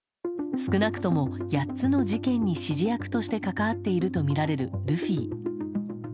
少なくとも８つの事件に指示役として関わっているとみられるルフィ。